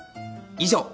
以上。